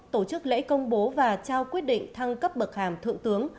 tổ chức lễ công bố và trao quyết định thăng cấp bậc hàm thượng tướng